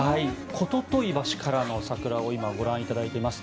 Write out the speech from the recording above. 言問橋からの桜を今、ご覧いただいています。